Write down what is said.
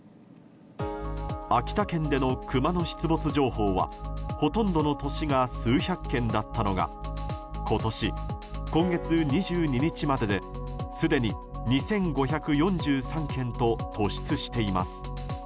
秋田県でのクマの出没情報がほとんどの年が数百件だったのが今年、今月２２日までですでに２５４３件と突出しています。